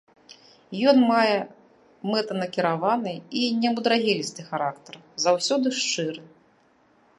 Ён мае мэтанакіраваны і немудрагелісты характар, заўсёды шчыры.